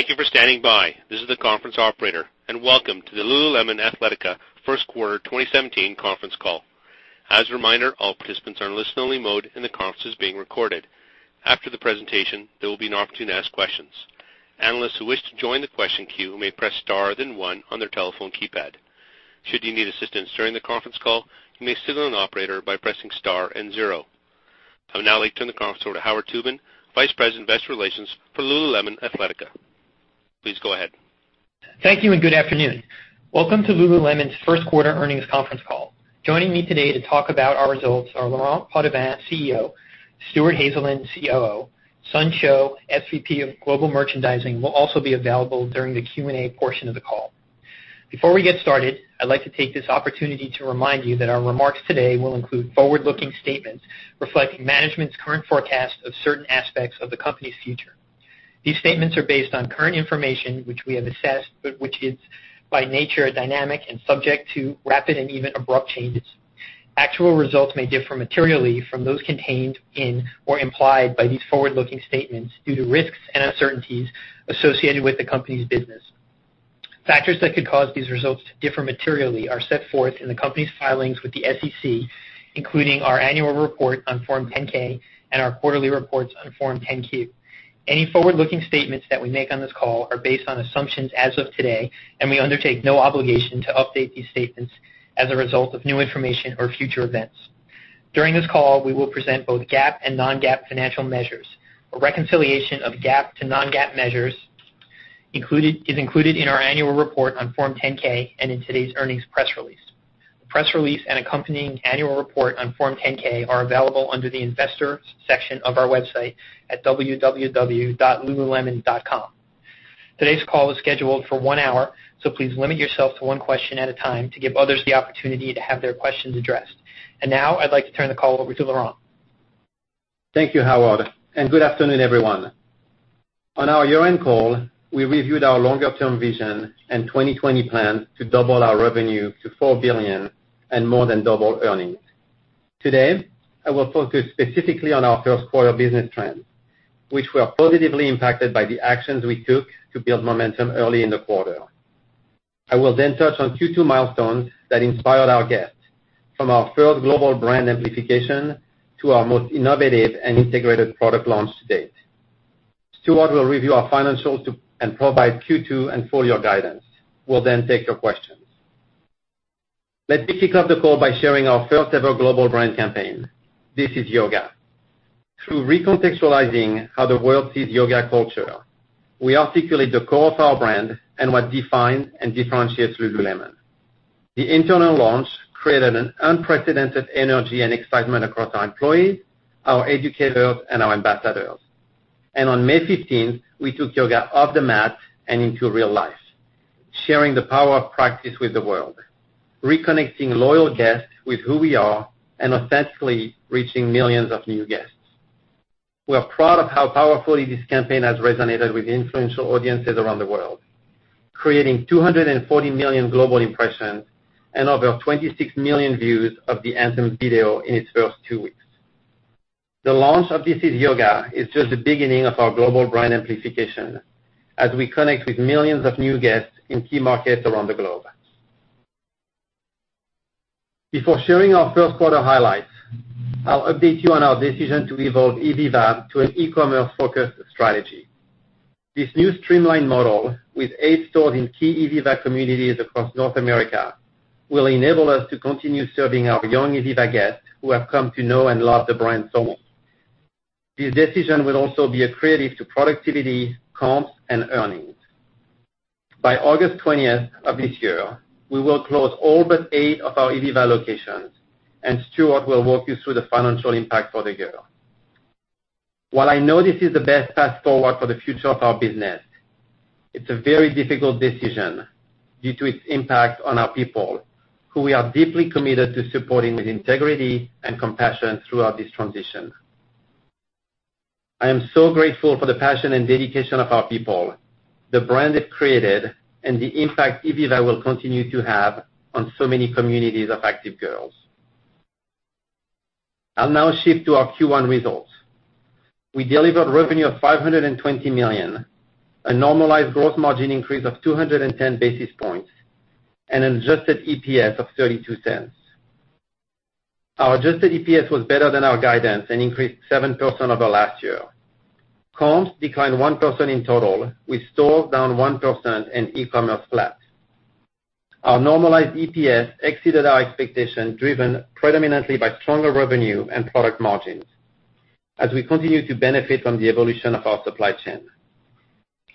Thank you for standing by. This is the conference operator, and welcome to the Lululemon Athletica first quarter 2017 conference call. As a reminder, all participants are in listen only mode, and the conference is being recorded. After the presentation, there will be an opportunity to ask questions. Analysts who wish to join the question queue may press star then one on their telephone keypad. Should you need assistance during the conference call, you may signal an operator by pressing star and zero. I would now like to turn the conference over to Howard Tubin, Vice President of Investor Relations for Lululemon Athletica. Please go ahead. Thank you. Good afternoon. Welcome to Lululemon's first quarter earnings conference call. Joining me today to talk about our results are Laurent Potdevin, CEO, Stuart Haselden, COO. Sun Choe, SVP of Global Merchandising, will also be available during the Q&A portion of the call. Before we get started, I'd like to take this opportunity to remind you that our remarks today will include forward-looking statements reflecting management's current forecast of certain aspects of the company's future. These statements are based on current information, which we have assessed, but which is by nature dynamic and subject to rapid and even abrupt changes. Actual results may differ materially from those contained in or implied by these forward-looking statements due to risks and uncertainties associated with the company's business. Factors that could cause these results to differ materially are set forth in the company's filings with the SEC, including our annual report on Form 10-K and our quarterly reports on Form 10-Q. Any forward-looking statements that we make on this call are based on assumptions as of today. We undertake no obligation to update these statements as a result of new information or future events. During this call, we will present both GAAP and non-GAAP financial measures. A reconciliation of GAAP to non-GAAP measures is included in our annual report on Form 10-K and in today's earnings press release. The press release and accompanying annual report on Form 10-K are available under the investor section of our website at www.lululemon.com. Today's call is scheduled for one hour. Please limit yourself to one question at a time to give others the opportunity to have their questions addressed. Now I'd like to turn the call over to Laurent. Thank you, Howard, and good afternoon, everyone. On our year-end call, we reviewed our longer-term vision and 2020 plan to double our revenue to $4 billion and more than double earnings. Today, I will focus specifically on our first quarter business trends, which were positively impacted by the actions we took to build momentum early in the quarter. I will touch on Q2 milestones that inspired our guests, from our third global brand amplification to our most innovative and integrated product launch to date. Stuart will review our financials and provide Q2 and full year guidance. We'll take your questions. Let me kick off the call by sharing our first ever global brand campaign, This Is Yoga. Through recontextualizing how the world sees yoga culture, we articulate the core of our brand and what defines and differentiates Lululemon. The internal launch created an unprecedented energy and excitement across our employees, our educators, and our ambassadors. On May 15th, we took yoga off the mat and into real life, sharing the power of practice with the world, reconnecting loyal guests with who we are, and authentically reaching millions of new guests. We are proud of how powerfully this campaign has resonated with influential audiences around the world, creating 240 million global impressions and over 26 million views of the anthem video in its first two weeks. The launch of This Is Yoga is just the beginning of our global brand amplification as we connect with millions of new guests in key markets around the globe. Before sharing our first quarter highlights, I'll update you on our decision to evolve ivivva to an e-commerce-focused strategy. This new streamlined model with eight stores in key ivivva communities across North America will enable us to continue serving our young ivivva guests who have come to know and love the brand so much. This decision will also be accretive to productivity, comps, and earnings. By August 20th of this year, we will close all but eight of our ivivva locations, Stuart will walk you through the financial impact for the year. While I know this is the best path forward for the future of our business, it's a very difficult decision due to its impact on our people, who we are deeply committed to supporting with integrity and compassion throughout this transition. I am so grateful for the passion and dedication of our people, the brand they've created, and the impact ivivva will continue to have on so many communities of active girls. I'll now shift to our Q1 results. We delivered revenue of $520 million, a normalized gross margin increase of 210 basis points, and an adjusted EPS of $0.32. Our adjusted EPS was better than our guidance and increased 7% over last year. Comps declined 1% in total, with stores down 1% and e-commerce flat. Our normalized EPS exceeded our expectations, driven predominantly by stronger revenue and product margins as we continue to benefit from the evolution of our supply chain.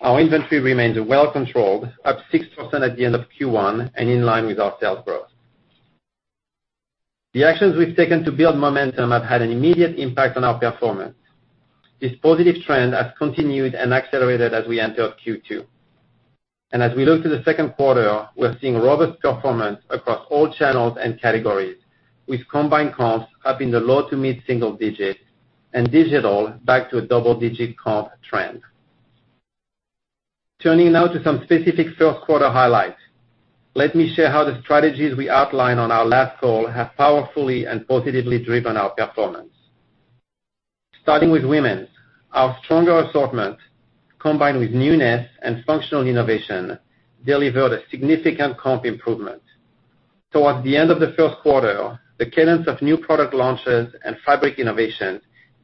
Our inventory remains well controlled, up 6% at the end of Q1 and in line with our sales growth. The actions we've taken to build momentum have had an immediate impact on our performance. This positive trend has continued and accelerated as we enter Q2. As we look to the second quarter, we're seeing robust performance across all channels and categories, with combined comps up in the low to mid-single digit and digital back to a double-digit comp trend. Turning now to some specific first quarter highlights. Let me share how the strategies we outlined on our last call have powerfully and positively driven our performance. Starting with women's, our stronger assortment, combined with newness and functional innovation, delivered a significant comp improvement. Towards the end of the first quarter, the cadence of new product launches and fabric innovation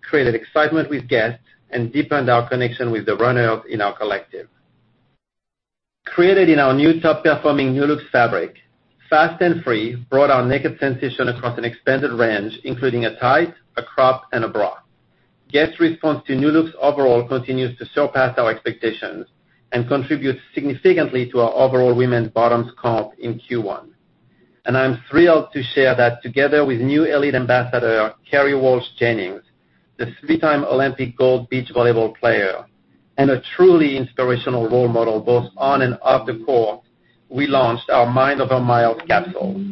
created excitement with guests and deepened our connection with the runners in our collective. Created in our new top-performing Nulu fabric, Fast and Free brought our naked sensation across an expanded range, including a tight, a crop, and a bra. Guests' response to Nulu's overall continues to surpass our expectations and contributes significantly to our overall women's bottoms comp in Q1. I'm thrilled to share that together with new elite ambassador Kerri Walsh Jennings, the three-time Olympic gold beach volleyball player and a truly inspirational role model both on and off the court, we launched our Mind Over Miles capsule.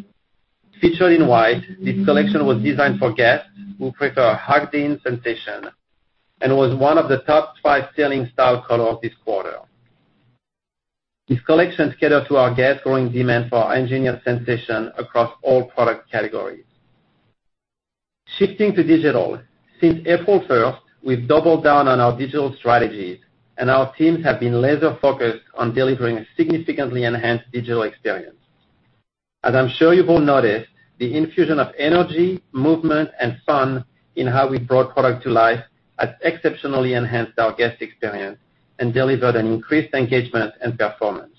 Featured in white, this collection was designed for guests who prefer a hugged-in sensation and was one of the top five selling style color of this quarter. These collections cater to our guest growing demand for Engineered Sensation across all product categories. Shifting to digital, since April 1st, we've doubled down on our digital strategies, our teams have been laser-focused on delivering a significantly enhanced digital experience. As I'm sure you've all noticed, the infusion of energy, movement, and fun in how we brought product to life has exceptionally enhanced our guest experience and delivered an increased engagement and performance.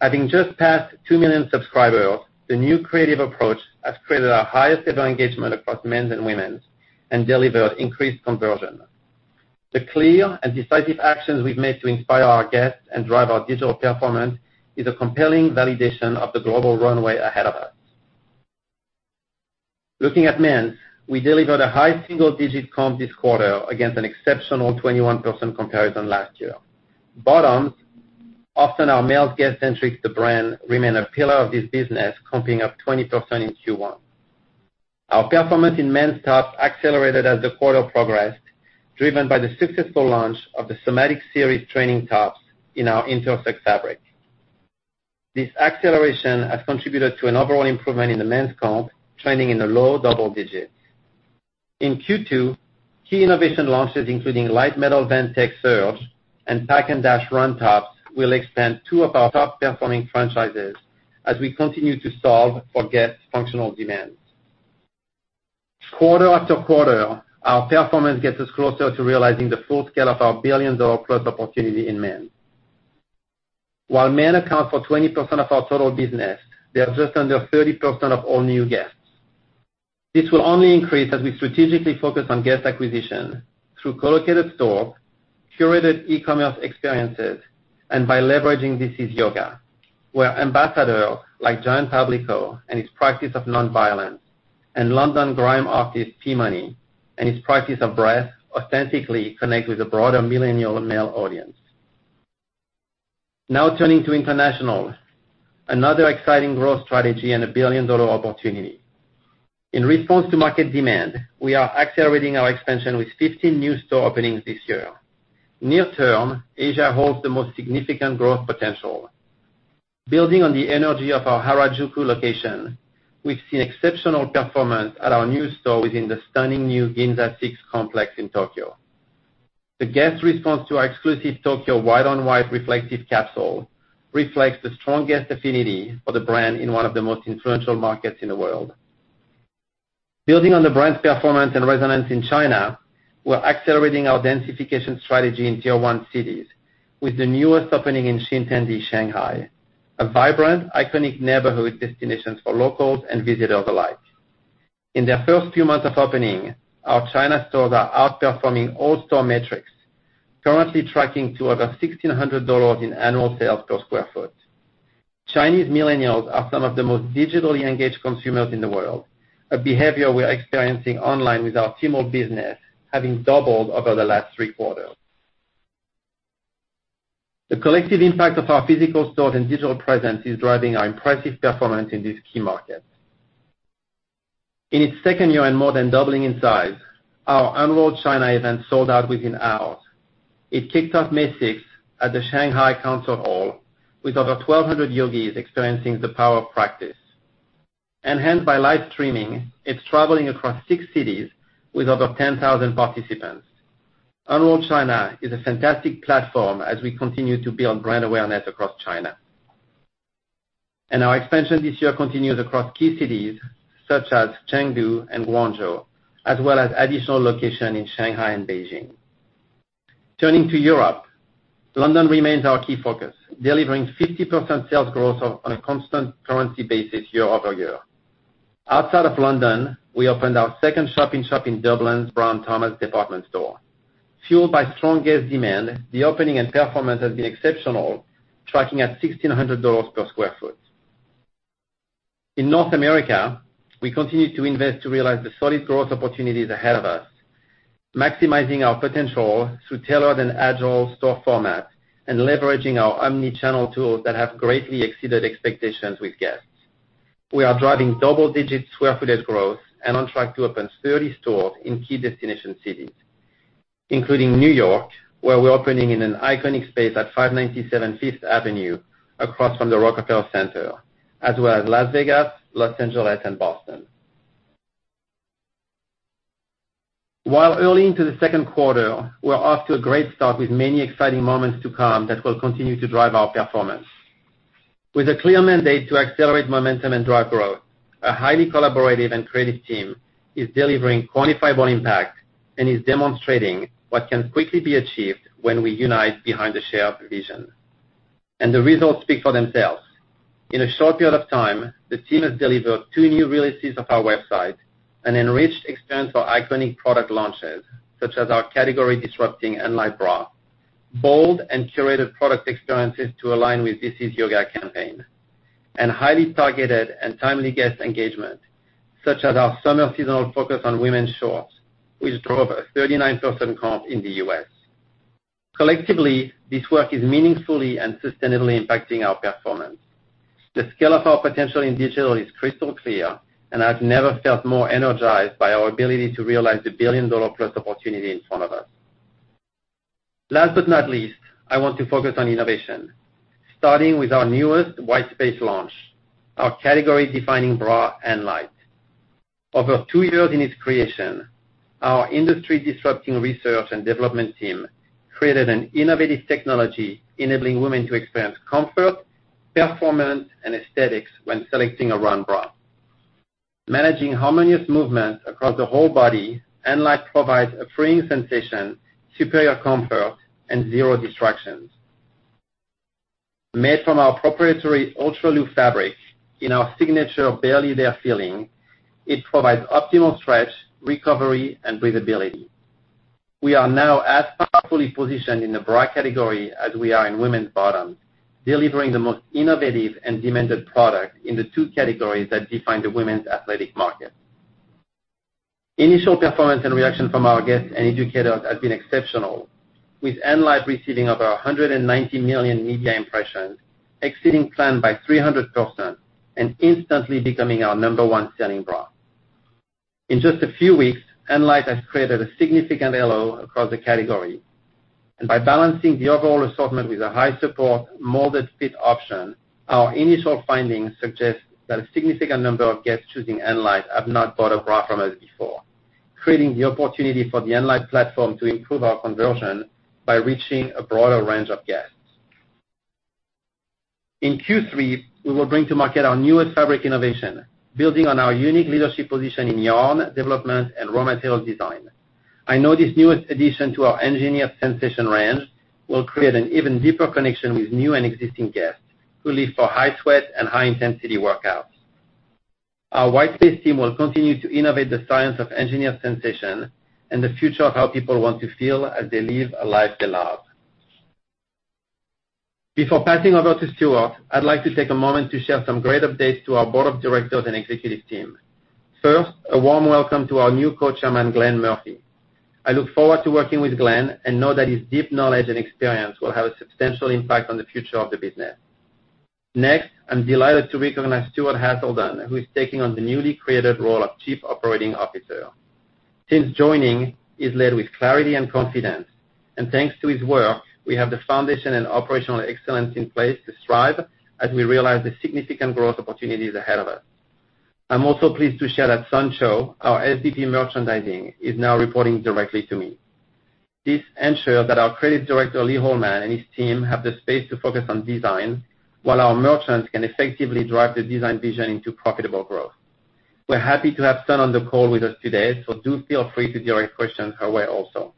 Having just passed 2 million subscribers, the new creative approach has created our highest ever engagement across men's and women's and delivered increased conversion. The clear and decisive actions we've made to inspire our guests and drive our digital performance is a compelling validation of the global runway ahead of us. Looking at men's, we delivered a high single-digit comp this quarter against an exceptional 21% comparison last year. Bottoms, often our male guest centric to brand, remain a pillar of this business, comping up 20% in Q1. Our performance in men's tops accelerated as the quarter progressed, driven by the successful launch of the Somatic Series training tops in our Intel fabric. This acceleration has contributed to an overall improvement in the men's comp, trending in the low double digits. In Q2, key innovation launches, including Metal Vent Tech Surge, and Pack and Go run tops will expand two of our top-performing franchises as we continue to solve for guests' functional demands. Quarter after quarter, our performance gets us closer to realizing the full scale of our billion-plus opportunity in men. While men account for 20% of our total business, they are just under 30% of all new guests. This will only increase as we strategically focus on guest acquisition through co-located store, curated e-commerce experiences, and by leveraging This Is Yoga, where ambassadors like Jian Pablico and his practice of non-violence, and London grime artist T. Money and his practice of breath authentically connect with a broader millennial male audience. Turning to international, another exciting growth strategy and a billion-dollar opportunity. In response to market demand, we are accelerating our expansion with 15 new store openings this year. Near term, Asia holds the most significant growth potential. Building on the energy of our Harajuku location, we've seen exceptional performance at our new store within the stunning new Ginza Six complex in Tokyo. The guest response to our exclusive Tokyo white-on-white reflective capsule reflects the strongest affinity for the brand in one of the most influential markets in the world. Building on the brand's performance and resonance in China, we're accelerating our densification strategy in tier 1 cities with the newest opening in Xintiandi, Shanghai, a vibrant, iconic neighborhood destination for locals and visitors alike. In their first few months of opening, our China stores are outperforming all store metrics, currently tracking to over $1,600 in annual sales per square foot. Chinese millennials are some of the most digitally engaged consumers in the world, a behavior we're experiencing online with our Tmall business, having doubled over the last three quarters. The collective impact of our physical stores and digital presence is driving our impressive performance in this key market. In its second year and more than doubling in size, our Unroll China event sold out within hours. It kicked off May 6th at the Shanghai Concert Hall with over 1,200 yogis experiencing the power of practice. Enhanced by live streaming, it's traveling across six cities with over 10,000 participants. Unroll China is a fantastic platform as we continue to build brand awareness across China. Our expansion this year continues across key cities such as Chengdu and Guangzhou, as well as additional locations in Shanghai and Beijing. Turning to Europe, London remains our key focus, delivering 50% sales growth on a constant currency basis year-over-year. Outside of London, we opened our second shop-in-shop in Dublin's Brown Thomas department store. Fueled by strong guest demand, the opening and performance has been exceptional, tracking at $1,600 per square foot. In North America, we continue to invest to realize the solid growth opportunities ahead of us, maximizing our potential through tailored and agile store formats and leveraging our omni-channel tools that have greatly exceeded expectations with guests. We are driving double-digit square footage growth and on track to open 30 stores in key destination cities. Including New York, where we're opening in an iconic space at 597 Fifth Avenue across from the Rockefeller Center, as well as Las Vegas, Los Angeles, and Boston. While early into the second quarter, we're off to a great start with many exciting moments to come that will continue to drive our performance. With a clear mandate to accelerate momentum and drive growth, a highly collaborative and creative team is delivering quantifiable impact and is demonstrating what can quickly be achieved when we unite behind the shared vision. The results speak for themselves. In a short period of time, the team has delivered two new releases of our website, an enriched experience for iconic product launches, such as our category-disrupting Enlite Bra, bold and curated product experiences to align with This Is Yoga campaign, and highly targeted and timely guest engagement, such as our summer seasonal focus on women's shorts, which drove a 39% comp in the U.S. Collectively, this work is meaningfully and sustainably impacting our performance. The scale of our potential in digital is crystal clear, and I've never felt more energized by our ability to realize the $1 billion-plus opportunity in front of us. Last but not least, I want to focus on innovation, starting with our newest white space launch, our category-defining bra, Enlite. Over two years in its creation, our industry-disrupting research and development team created an innovative technology enabling women to experience comfort, performance, and aesthetics when selecting a run bra. Managing harmonious movement across the whole body, Enlite provides a freeing sensation, superior comfort, and zero distractions. Made from our proprietary Ultralu fabric in our signature Barely There feeling, it provides optimal stretch, recovery, and breathability. We are now as powerfully positioned in the bra category as we are in women's bottoms, delivering the most innovative and demanded product in the two categories that define the women's athletic market. Initial performance and reaction from our guests and educators have been exceptional, with Enlite receiving over 190 million media impressions, exceeding plan by 300%, and instantly becoming our number one selling bra. In just a few weeks, Enlite has created a significant halo across the category. By balancing the overall assortment with a high-support, molded fit option, our initial findings suggest that a significant number of guests choosing Enlite have not bought a bra from us before, creating the opportunity for the Enlite platform to improve our conversion by reaching a broader range of guests. In Q3, we will bring to market our newest fabric innovation, building on our unique leadership position in yarn development and raw material design. I know this newest addition to our Engineered Sensation range will create an even deeper connection with new and existing guests who live for high-sweat and high-intensity workouts. Our white space team will continue to innovate the science of Engineered Sensation and the future of how people want to feel as they live a life they love. Before passing over to Stuart, I'd like to take a moment to share some great updates to our board of directors and executive team. First, a warm welcome to our new co-chairman, Glenn Murphy. I look forward to working with Glenn and know that his deep knowledge and experience will have a substantial impact on the future of the business. Next, I'm delighted to recognize Stuart Haselden, who is taking on the newly created role of Chief Operating Officer. Since joining, he's led with clarity and confidence, and thanks to his work, we have the foundation and operational excellence in place to strive as we realize the significant growth opportunities ahead of us. I'm also pleased to share that Sun Choe, our SVP Merchandising, is now reporting directly to me. This ensures that our creative director, Lee Holman, and his team have the space to focus on design while our merchants can effectively drive the design vision into profitable growth. We're happy to have Sun on the call with us today, so do feel free to direct questions her way also.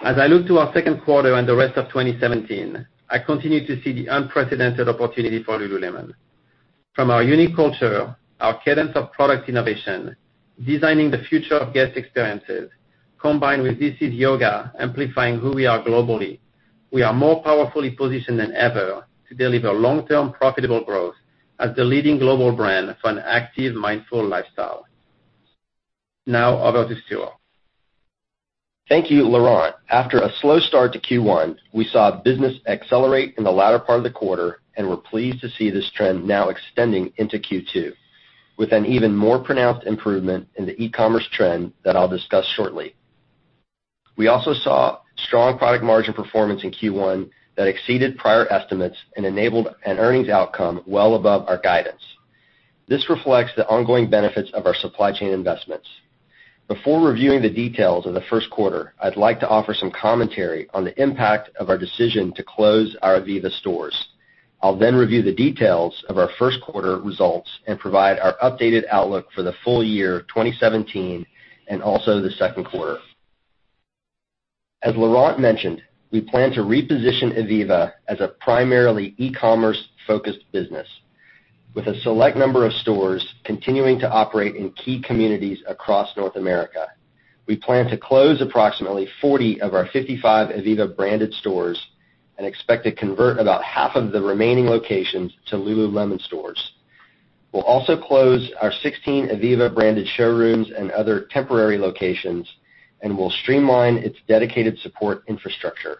As I look to our second quarter and the rest of 2017, I continue to see the unprecedented opportunity for Lululemon. From our unique culture, our cadence of product innovation, designing the future of guest experiences, combined with This Is Yoga amplifying who we are globally, we are more powerfully positioned than ever to deliver long-term profitable growth as the leading global brand for an active, mindful lifestyle. Now, over to Stuart. Thank you, Laurent. After a slow start to Q1, we saw business accelerate in the latter part of the quarter and we're pleased to see this trend now extending into Q2, with an even more pronounced improvement in the e-commerce trend that I'll discuss shortly. We also saw strong product margin performance in Q1 that exceeded prior estimates and enabled an earnings outcome well above our guidance. This reflects the ongoing benefits of our supply chain investments. Before reviewing the details of the first quarter, I'd like to offer some commentary on the impact of our decision to close our ivivva stores. I'll then review the details of our first quarter results and provide our updated outlook for the full year 2017 and also the second quarter. As Laurent mentioned, we plan to reposition ivivva as a primarily e-commerce focused business with a select number of stores continuing to operate in key communities across North America. We plan to close approximately 40 of our 55 ivivva branded stores and expect to convert about half of the remaining locations to Lululemon stores. We'll also close our 16 ivivva branded showrooms and other temporary locations, and we'll streamline its dedicated support infrastructure.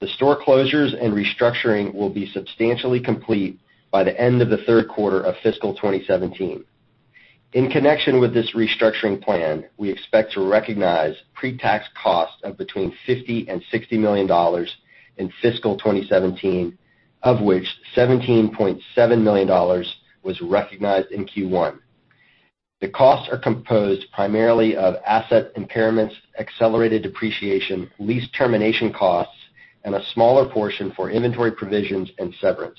The store closures and restructuring will be substantially complete by the end of the third quarter of fiscal 2017. In connection with this restructuring plan, we expect to recognize pre-tax costs of between $50 million and $60 million in fiscal 2017, of which $17.7 million was recognized in Q1. The costs are composed primarily of asset impairments, accelerated depreciation, lease termination costs, and a smaller portion for inventory provisions and severance.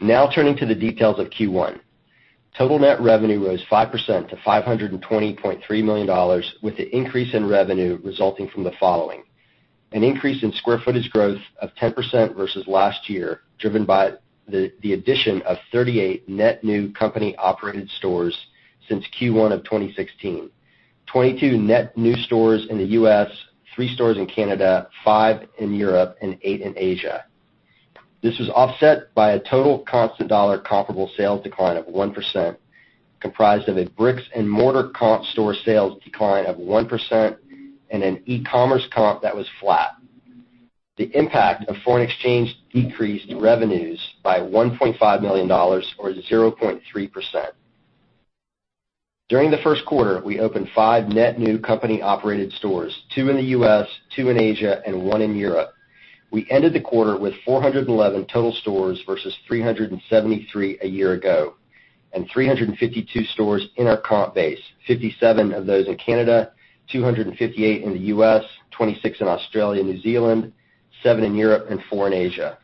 Now turning to the details of Q1. Total net revenue rose 5% to $520.3 million, with the increase in revenue resulting from the following: an increase in square footage growth of 10% versus last year, driven by the addition of 38 net new company-operated stores since Q1 of 2016. 22 net new stores in the U.S., three stores in Canada, five in Europe, and eight in Asia. This was offset by a total constant dollar comparable sales decline of 1%, comprised of a bricks-and-mortar comp store sales decline of 1% and an e-commerce comp that was flat. The impact of foreign exchange decreased revenues by $1.5 million, or 0.3%. During the first quarter, we opened five net new company-operated stores, two in the U.S., two in Asia, and one in Europe. We ended the quarter with 411 total stores versus 373 a year ago, and 352 stores in our comp base, 57 of those in Canada, 258 in the U.S., 26 in Australia and New Zealand, 7 in Europe, and 4 in Asia.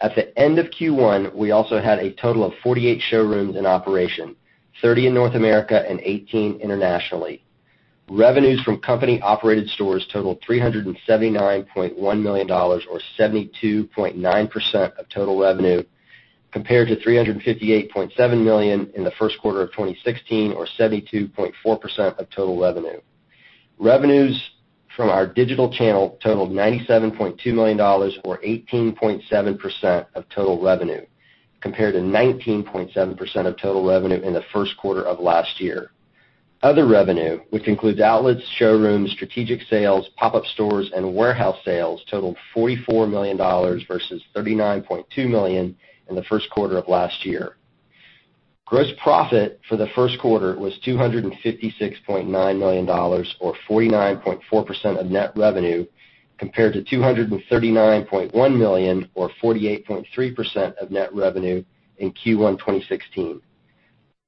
At the end of Q1, we also had a total of 48 showrooms in operation, 30 in North America and 18 internationally. Revenues from company-operated stores totaled $379.1 million or 72.9% of total revenue, compared to $358.7 million in the first quarter of 2016 or 72.4% of total revenue. Revenues from our digital channel totaled $97.2 million or 18.7% of total revenue, compared to 19.7% of total revenue in the first quarter of last year. Other revenue, which includes outlets, showrooms, Strategic Sales, pop-up stores, and warehouse sales totaled $44 million versus $39.2 million in the first quarter of last year. Gross profit for the first quarter was $256.9 million or 49.4% of net revenue compared to $239.1 million or 48.3% of net revenue in Q1 2016.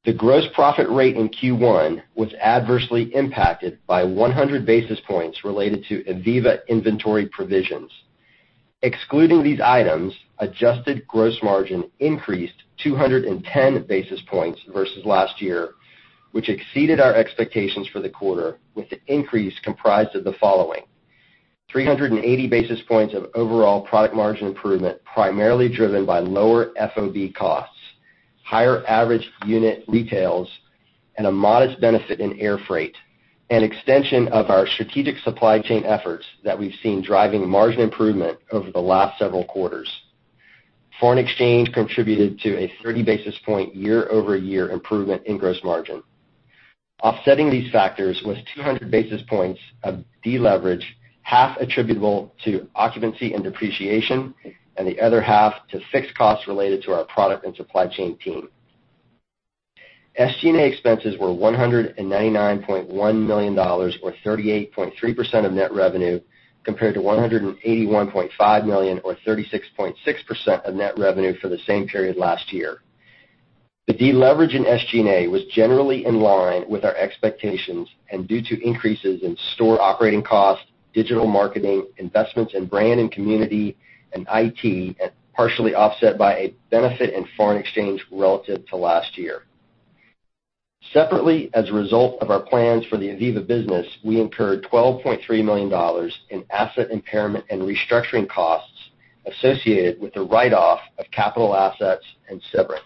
The gross profit rate in Q1 was adversely impacted by 100 basis points related to ivivva inventory provisions. Excluding these items, adjusted gross margin increased 210 basis points versus last year, which exceeded our expectations for the quarter, with the increase comprised of the following: 380 basis points of overall product margin improvement primarily driven by lower FOB costs, higher average unit retails, and a modest benefit in air freight. An extension of our strategic supply chain efforts that we've seen driving margin improvement over the last several quarters. Foreign exchange contributed to a 30 basis point year-over-year improvement in gross margin. Offsetting these factors was 200 basis points of deleverage, half attributable to occupancy and depreciation and the other half to fixed costs related to our product and supply chain team. SG&A expenses were $199.1 million or 38.3% of net revenue compared to $181.5 million or 36.6% of net revenue for the same period last year. The deleverage in SG&A was generally in line with our expectations and due to increases in store operating costs, digital marketing, investments in brand and community, and IT, and partially offset by a benefit in foreign exchange relative to last year. Separately, as a result of our plans for the ivivva business, we incurred $12.3 million in asset impairment and restructuring costs associated with the write-off of capital assets and severance.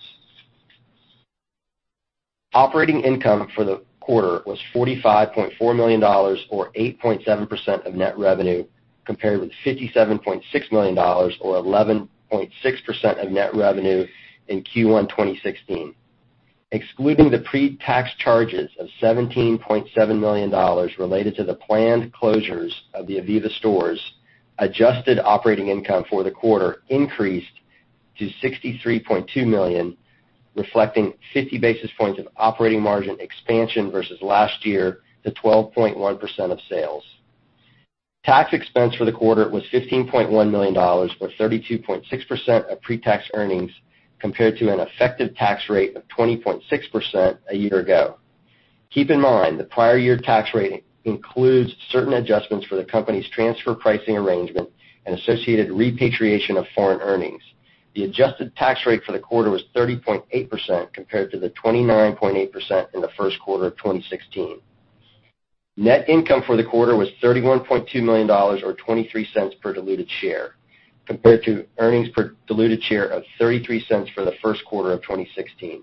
Operating income for the quarter was $45.4 million or 8.7% of net revenue, compared with $57.6 million or 11.6% of net revenue in Q1 2016. Excluding the pre-tax charges of $17.7 million related to the planned closures of the ivivva stores, adjusted operating income for the quarter increased to $63.2 million, reflecting 50 basis points of operating margin expansion versus last year to 12.1% of sales. Tax expense for the quarter was $15.1 million or 32.6% of pre-tax earnings compared to an effective tax rate of 20.6% a year ago. Keep in mind, the prior year tax rate includes certain adjustments for the company's transfer pricing arrangement and associated repatriation of foreign earnings. The adjusted tax rate for the quarter was 30.8% compared to the 29.8% in the first quarter of 2016. Net income for the quarter was $31.2 million or $0.23 per diluted share compared to earnings per diluted share of $0.33 for the first quarter of 2016.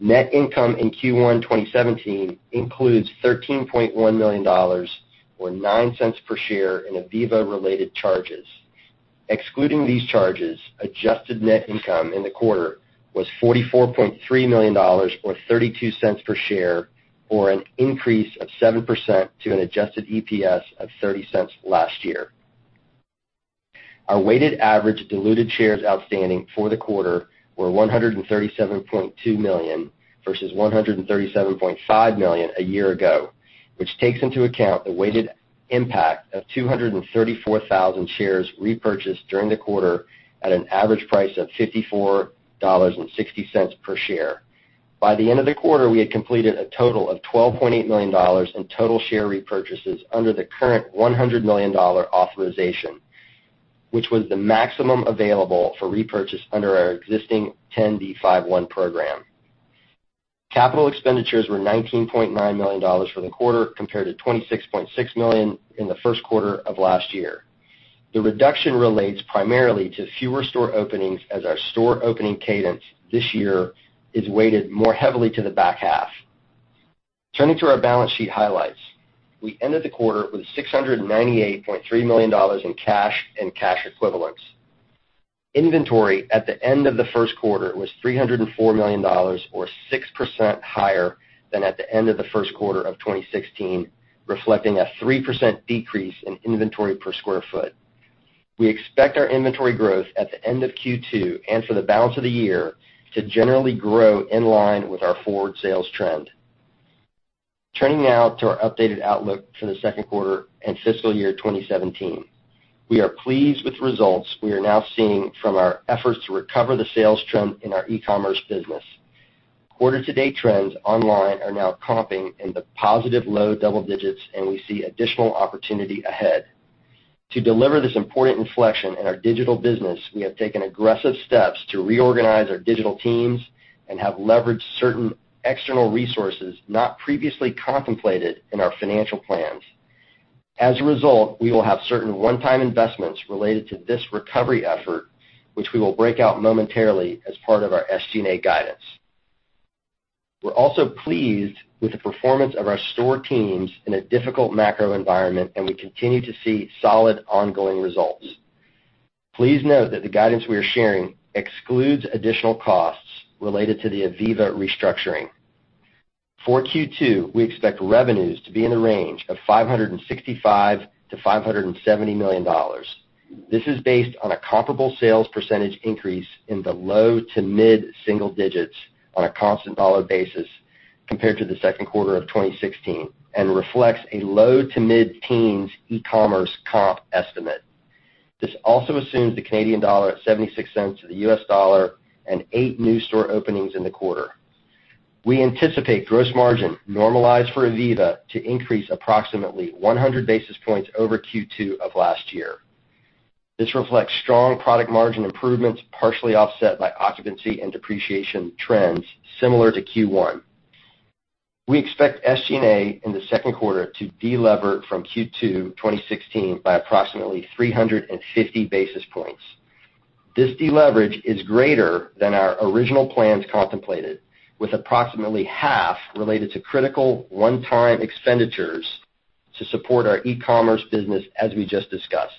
Net income in Q1 2017 includes $13.1 million or $0.09 per share in ivivva-related charges. Excluding these charges, adjusted net income in the quarter was $44.3 million, or $0.32 per share, or an increase of 7% to an adjusted EPS of $0.30 last year. Our weighted average diluted shares outstanding for the quarter were 137.2 million, versus 137.5 million a year ago, which takes into account the weighted impact of 234,000 shares repurchased during the quarter at an average price of $54.60 per share. By the end of the quarter, we had completed a total of $12.8 million in total share repurchases under the current $100 million authorization, which was the maximum available for repurchase under our existing 10b5-1 program. Capital expenditures were $19.9 million for the quarter, compared to $26.6 million in the first quarter of last year. The reduction relates primarily to fewer store openings as our store opening cadence this year is weighted more heavily to the back half. Turning to our balance sheet highlights. We ended the quarter with $698.3 million in cash and cash equivalents. Inventory at the end of the first quarter was $304 million, or 6% higher than at the end of the first quarter of 2016, reflecting a 3% decrease in inventory per square foot. We expect our inventory growth at the end of Q2, and for the balance of the year, to generally grow in line with our forward sales trend. Turning now to our updated outlook for the second quarter and fiscal year 2017. We are pleased with the results we are now seeing from our efforts to recover the sales trend in our e-commerce business. Quarter to date trends online are now comping in the positive low double digits, and we see additional opportunity ahead. To deliver this important inflection in our digital business, we have taken aggressive steps to reorganize our digital teams and have leveraged certain external resources not previously contemplated in our financial plans. As a result, we will have certain one-time investments related to this recovery effort, which we will break out momentarily as part of our SG&A guidance. We're also pleased with the performance of our store teams in a difficult macro environment, and we continue to see solid ongoing results. Please note that the guidance we are sharing excludes additional costs related to the ivivva restructuring. For Q2, we expect revenues to be in the range of $565 million-$570 million. This is based on a comparable sales percentage increase in the low to mid-single digits on a constant dollar basis compared to the second quarter of 2016, and reflects a low to mid-teens e-commerce comp estimate. This also assumes the Canadian dollar at $0.76 to the U.S. dollar and eight new store openings in the quarter. We anticipate gross margin normalized for ivivva to increase approximately 100 basis points over Q2 of last year. This reflects strong product margin improvements, partially offset by occupancy and depreciation trends similar to Q1. We expect SG&A in the second quarter to delever from Q2 2016 by approximately 350 basis points. This deleverage is greater than our original plans contemplated, with approximately half related to critical one-time expenditures to support our e-commerce business, as we just discussed.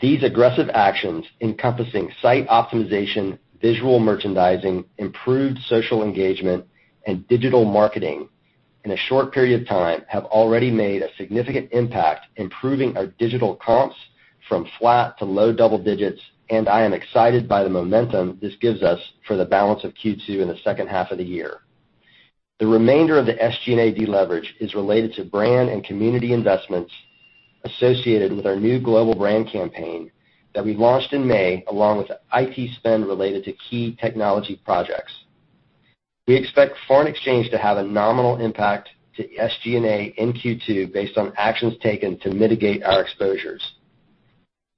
These aggressive actions, encompassing site optimization, visual merchandising, improved social engagement, and digital marketing in a short period of time, have already made a significant impact improving our digital comps from flat to low double digits, and I am excited by the momentum this gives us for the balance of Q2 and the second half of the year. The remainder of the SG&A deleverage is related to brand and community investments associated with our new global brand campaign that we launched in May, along with the IT spend related to key technology projects. We expect foreign exchange to have a nominal impact to SG&A in Q2 based on actions taken to mitigate our exposures.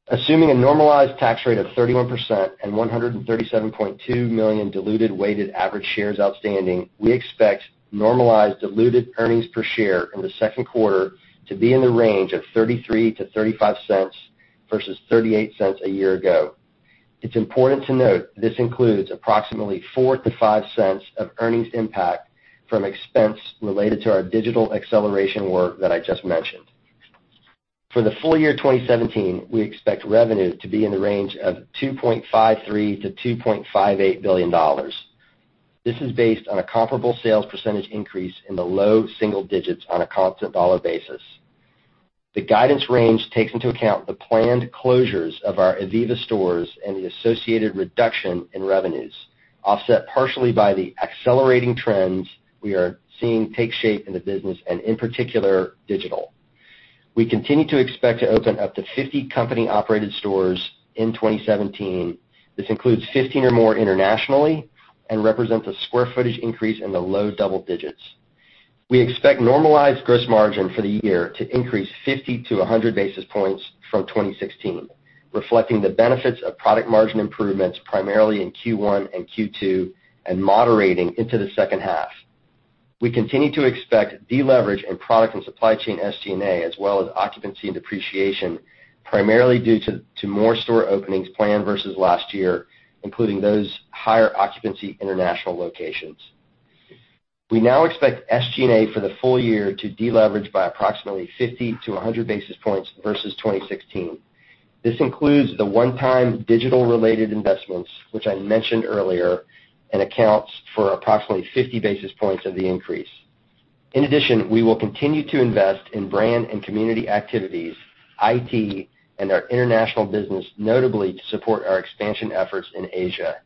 Assuming a normalized tax rate of 31% and 137.2 million diluted weighted average shares outstanding, we expect normalized diluted earnings per share in the second quarter to be in the range of $0.33-$0.35 versus $0.38 a year ago. It's important to note this includes approximately $0.04-$0.05 of earnings impact from expense related to our digital acceleration work that I just mentioned. For the full year 2017, we expect revenue to be in the range of $2.53 billion-$2.58 billion. This is based on a comparable sales percentage increase in the low single digits on a constant dollar basis. The guidance range takes into account the planned closures of our ivivva stores and the associated reduction in revenues, offset partially by the accelerating trends we are seeing take shape in the business, and in particular, digital. We continue to expect to open up to 50 company-operated stores in 2017. This includes 15 or more internationally and represents a square footage increase in the low double digits. We expect normalized gross margin for the year to increase 50 to 100 basis points from 2016, reflecting the benefits of product margin improvements primarily in Q1 and Q2 and moderating into the second half. We continue to expect deleverage in product and supply chain SG&A as well as occupancy and depreciation, primarily due to more store openings planned versus last year, including those higher occupancy international locations. We now expect SG&A for the full year to deleverage by approximately 50 to 100 basis points versus 2016. This includes the one-time digital-related investments, which I mentioned earlier, and accounts for approximately 50 basis points of the increase. In addition, we will continue to invest in brand and community activities, IT, and our international business, notably to support our expansion efforts in Asia.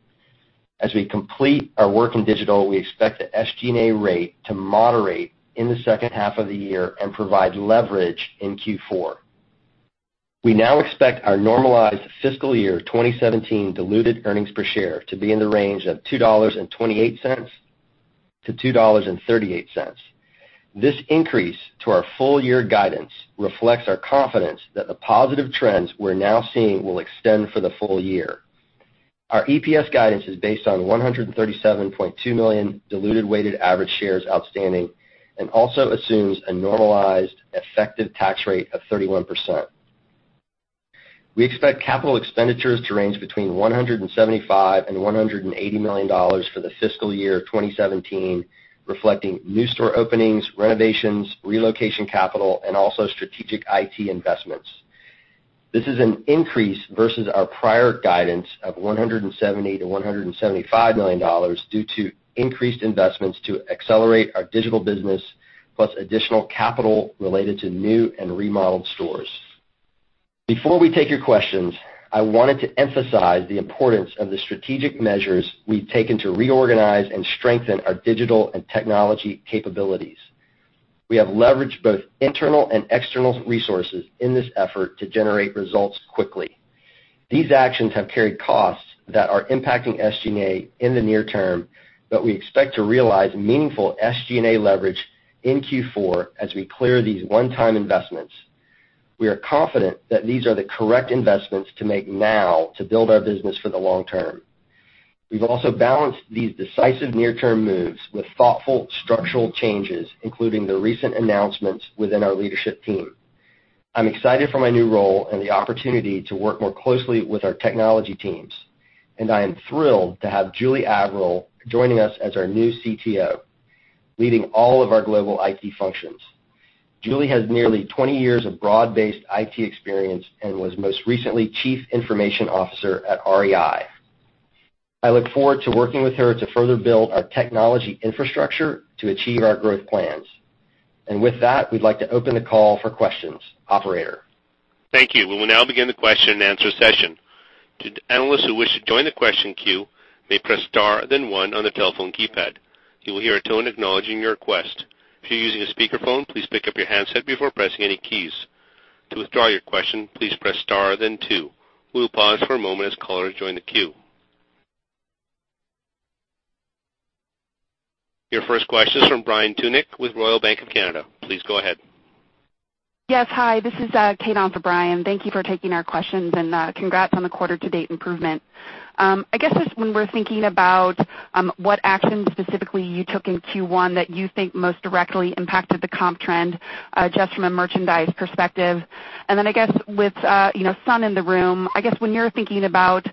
As we complete our work in digital, we expect the SG&A rate to moderate in the second half of the year and provide leverage in Q4. We now expect our normalized fiscal year 2017 diluted earnings per share to be in the range of $2.28-$2.38. This increase to our full-year guidance reflects our confidence that the positive trends we're now seeing will extend for the full year. Our EPS guidance is based on 137.2 million diluted weighted average shares outstanding and also assumes a normalized effective tax rate of 31%. We expect capital expenditures to range between $175 million and $180 million for the fiscal year 2017, reflecting new store openings, renovations, relocation capital, and also strategic IT investments. This is an increase versus our prior guidance of $170 million-$175 million due to increased investments to accelerate our digital business, plus additional capital related to new and remodeled stores. Before we take your questions, I wanted to emphasize the importance of the strategic measures we've taken to reorganize and strengthen our digital and technology capabilities. We have leveraged both internal and external resources in this effort to generate results quickly. These actions have carried costs that are impacting SG&A in the near term. We expect to realize meaningful SG&A leverage in Q4 as we clear these one-time investments. We are confident that these are the correct investments to make now to build our business for the long term. We've also balanced these decisive near-term moves with thoughtful structural changes, including the recent announcements within our leadership team. I'm excited for my new role and the opportunity to work more closely with our technology teams. I am thrilled to have Julie Averill joining us as our new CTO, leading all of our global IT functions. Julie has nearly 20 years of broad-based IT experience and was most recently chief information officer at REI. I look forward to working with her to further build our technology infrastructure to achieve our growth plans. With that, we'd like to open the call for questions. Operator. Thank you. We will now begin the question and answer session. To analysts who wish to join the question queue, may press star then one on the telephone keypad. You will hear a tone acknowledging your request. If you're using a speakerphone, please pick up your handset before pressing any keys. To withdraw your question, please press star then two. We will pause for a moment as callers join the queue. Your first question is from Brian Tunick with Royal Bank of Canada. Please go ahead. Yes. Hi, this is Kate on for Brian. Thank you for taking our questions, and congrats on the quarter to date improvement. I guess just when we're thinking about what actions specifically you took in Q1 that you think most directly impacted the comp trend, just from a merchandise perspective. I guess with Sun in the room, I guess when you're thinking about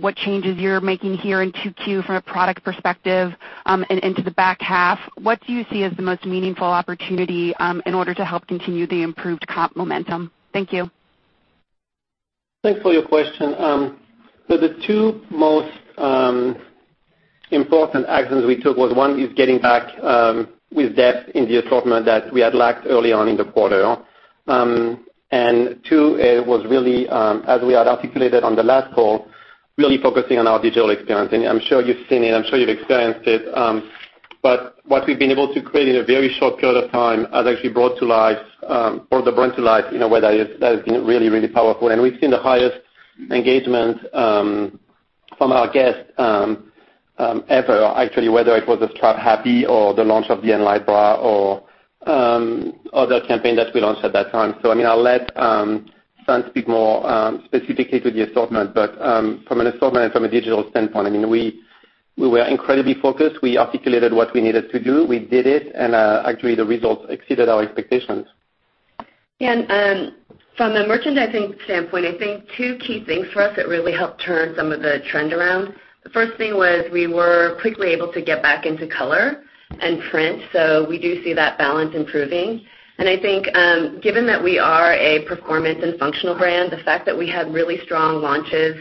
what changes you're making here in 2Q from a product perspective, and into the back half, what do you see as the most meaningful opportunity in order to help continue the improved comp momentum? Thank you. Thanks for your question. The two most important actions we took was one is getting back with depth in the assortment that we had lacked early on in the quarter. Two, it was really, as we had articulated on the last call, really focusing on our digital experience. I'm sure you've seen it, I'm sure you've experienced it. What we've been able to create in a very short period of time has actually brought to life, that has been really, really powerful. We've seen the highest engagement from our guests ever, actually, whether it was with Strategic Sales or the launch of the Enlite Bra or other campaign that we launched at that time. I mean, I'll let Sun speak more specifically to the assortment, but from an assortment and from a digital standpoint, we were incredibly focused. We articulated what we needed to do. We did it, and actually, the results exceeded our expectations. From a merchandising standpoint, I think two key things for us that really helped turn some of the trend around. The first thing was we were quickly able to get back into color and print, we do see that balance improving. I think, given that we are a performance and functional brand, the fact that we had really strong launches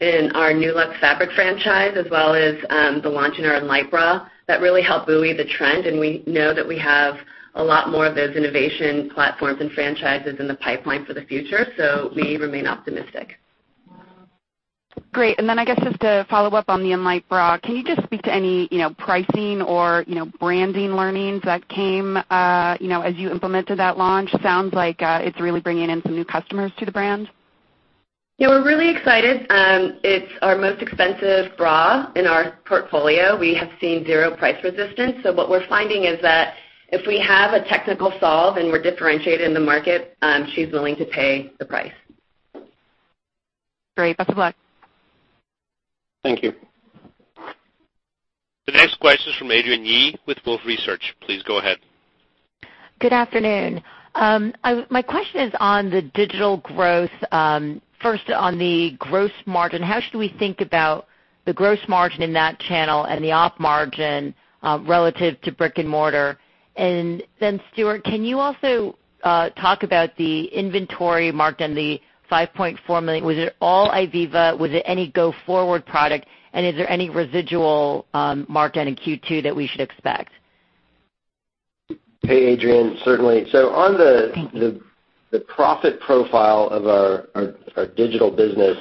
in our Nulux fabric franchise, as well as the launch in our Enlite Bra, that really helped buoy the trend, and we know that we have a lot more of those innovation platforms and franchises in the pipeline for the future, we remain optimistic. Great. I guess just to follow up on the Enlite Bra, can you just speak to any pricing or branding learnings that came as you implemented that launch? Sounds like it's really bringing in some new customers to the brand. Yeah, we're really excited. It's our most expensive bra in our portfolio. We have seen zero price resistance. What we're finding is that if we have a technical solve and we're differentiated in the market, she's willing to pay the price. Great. Best of luck. Thank you. The next question is from Adrienne Yih with Wolfe Research. Please go ahead. Good afternoon. My question is on the digital growth. First, on the gross margin, how should we think about the gross margin in that channel and the op margin relative to brick and mortar? Then Stuart, can you also talk about the inventory marked on the $5.4 million? Was it all ivivva? Was it any go forward product, and is there any residual markdown in Q2 that we should expect? Hey, Adrienne. Certainly. Thank you the profit profile of our digital business,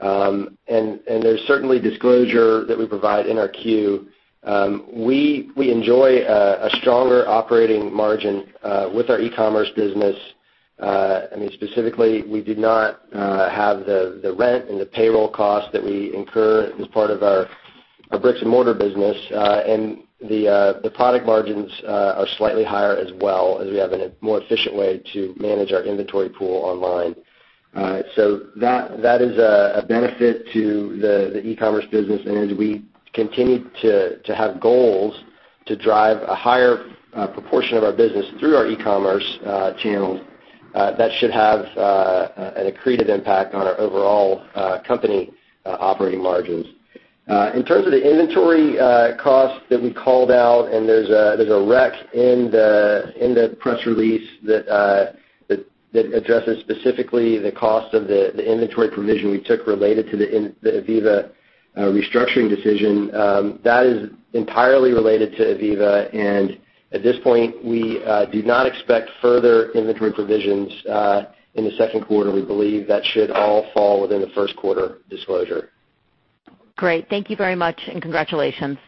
and there's certainly disclosure that we provide in our Q, we enjoy a stronger operating margin, with our e-commerce business. Specifically, we did not have the rent and the payroll costs that we incur as part of our bricks and mortar business. The product margins are slightly higher as well, as we have a more efficient way to manage our inventory pool online. That is a benefit to the e-commerce business, and as we continue to have goals to drive a higher proportion of our business through our e-commerce channels, that should have an accretive impact on our overall company operating margins. In terms of the inventory costs that we called out, and there's a rec in the press release that addresses specifically the cost of the inventory provision we took related to the ivivva restructuring decision. That is entirely related to ivivva, and at this point, we do not expect further inventory provisions, in the second quarter. We believe that should all fall within the first quarter disclosure. Great. Thank you very much, and congratulations.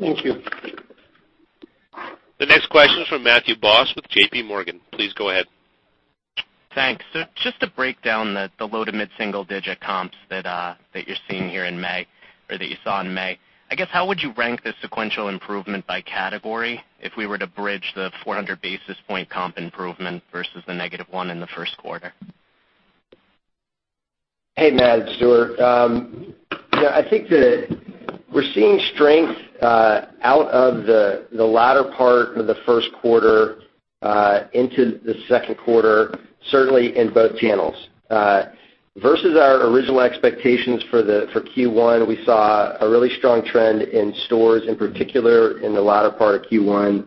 Thank you. The next question is from Matthew Boss with JPMorgan. Please go ahead. Thanks. Just to break down the low to mid-single digit comps that you're seeing here in May or that you saw in May, I guess how would you rank the sequential improvement by category if we were to bridge the 400 basis points comp improvement versus the negative one in the first quarter? Hey, Matt, Stuart. I think that we're seeing strength out of the latter part of the first quarter, into the second quarter, certainly in both channels. Versus our original expectations for Q1, we saw a really strong trend in stores, in particular in the latter part of Q1.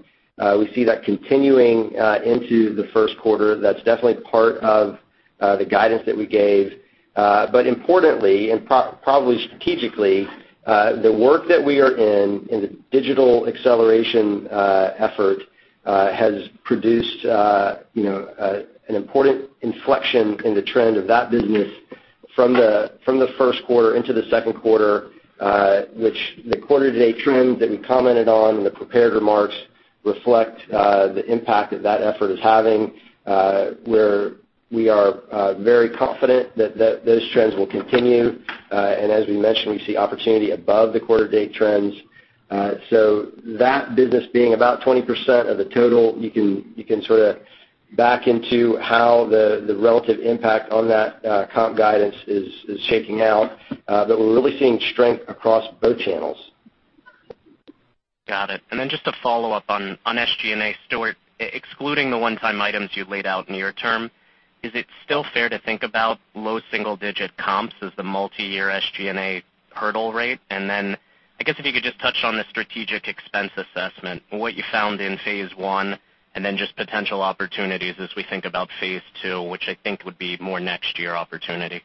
We see that continuing into the first quarter. That's definitely part of the guidance that we gave. Importantly, and probably strategically, the work that we are in the digital acceleration effort, has produced an important inflection in the trend of that business from the first quarter into the second quarter, which the quarter-to-date trends that we commented on in the prepared remarks reflect the impact that that effort is having. We are very confident that those trends will continue. As we mentioned, we see opportunity above the quarter-to-date trends. That business being about 20% of the total, you can sort of back into how the relative impact on that comp guidance is shaking out. We're really seeing strength across both channels. Got it. Just to follow up on SG&A, Stuart, excluding the one-time items you laid out near term, is it still fair to think about low single-digit comps as the multi-year SG&A hurdle rate? I guess, if you could just touch on the strategic expense assessment, what you found in phase 1, and potential opportunities as we think about phase 2, which I think would be more next year opportunity.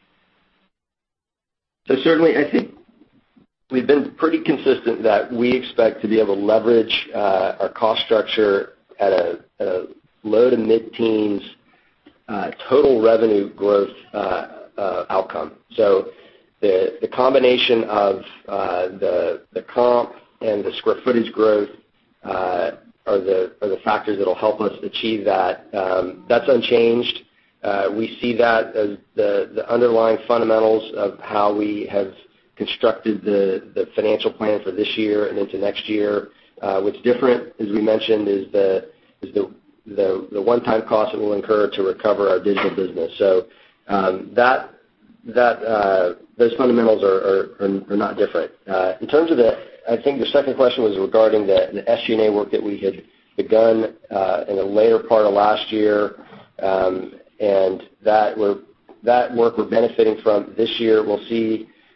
Certainly, I think we've been pretty consistent that we expect to be able to leverage our cost structure at a low to mid-teens total revenue growth outcome. The combination of the comp and the square footage growth are the factors that'll help us achieve that. That's unchanged. We see that as the underlying fundamentals of how we have constructed the financial plan for this year and into next year. What's different, as we mentioned, is the one-time cost that we'll incur to recover our digital business. Those fundamentals are not different. In terms of the, I think the second question was regarding the SG&A work that we had begun in the later part of last year, and that work we're benefiting from this year.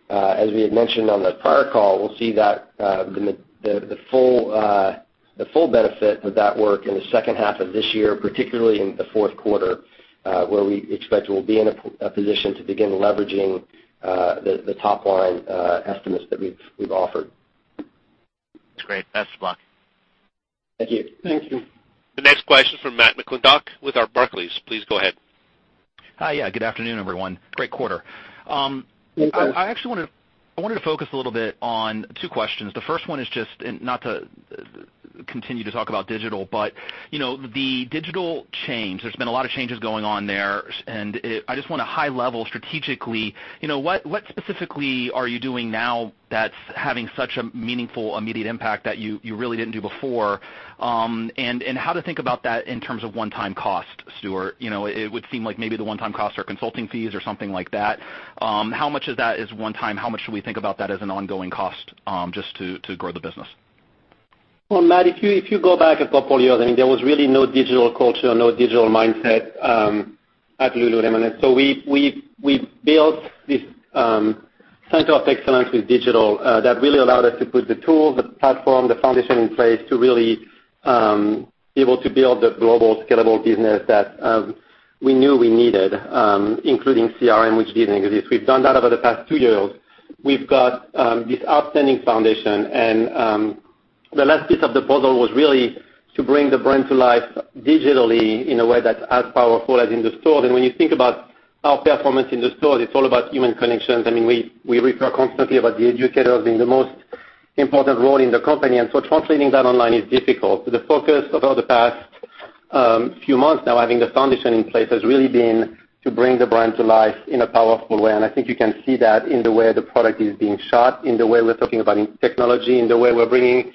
As we had mentioned on the prior call, we'll see the full benefit of that work in the second half of this year, particularly in the fourth quarter, where we expect we'll be in a position to begin leveraging the top-line estimates that we've offered. That's great. Thanks for [blocking]. Thank you. Thank you. The next question is from Matthew McClintock with Barclays. Please go ahead. Hi. Yeah, good afternoon, everyone. Great quarter. Thank you. I wanted to focus a little bit on two questions. The first one is just, not to continue to talk about digital, but the digital change. There's been a lot of changes going on there, and I just want a high level strategically, what specifically are you doing now that's having such a meaningful, immediate impact that you really didn't do before? How to think about that in terms of one-time cost, Stuart. It would seem like maybe the one-time costs are consulting fees or something like that. How much of that is one time? How much should we think about that as an ongoing cost, just to grow the business? Matt, if you go back a couple years, there was really no digital culture, no digital mindset at Lululemon. We built this center of excellence with digital that really allowed us to put the tools, the platform, the foundation in place to really be able to build the global scalable business that we knew we needed, including CRM, which didn't exist. We've done that over the past two years. We've got this outstanding foundation, and the last piece of the puzzle was really to bring the brand to life digitally in a way that's as powerful as in the stores. When you think about our performance in the stores, it's all about human connections. We refer constantly about the educators being the most important role in the company, translating that online is difficult. The focus over the past few months now, having the foundation in place, has really been to bring the brand to life in a powerful way. I think you can see that in the way the product is being shot, in the way we're talking about technology, in the way we're bringing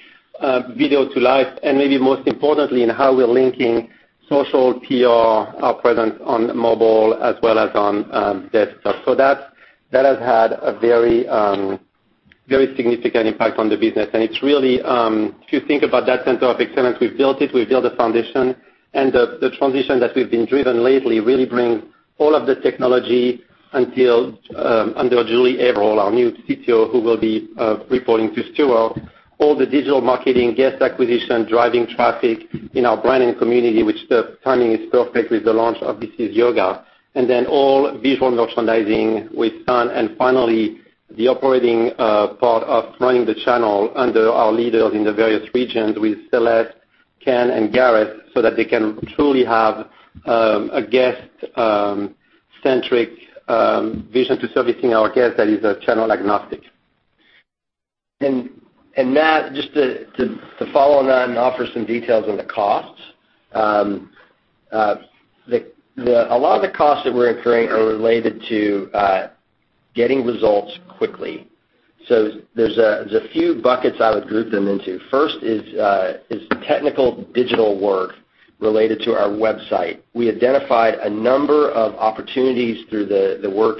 video to life, and maybe most importantly, in how we're linking social, PR, our presence on mobile, as well as on desktop. That has had a very significant impact on the business. If you think about that center of excellence, we've built it, we've built a foundation, and the transition that we've been driven lately really brings all of the technology under Julie Averill, our new CTO, who will be reporting to Stuart, all the digital marketing, guest acquisition, driving traffic in our brand and community. The timing is perfect with the launch of This Is Yoga, all visual merchandising with Stan. Finally, the operating part of running the channel under our leaders in the various regions with Celeste, Ken, and Garrett, so that they can truly have a guest-centric vision to servicing our guests that is channel-agnostic. Matt, just to follow on that and offer some details on the costs. A lot of the costs that we're incurring are related to getting results quickly. There's a few buckets I would group them into. First is technical digital work related to our website. We identified a number of opportunities through the work